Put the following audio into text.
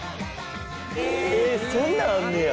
えっそんなんあんねや。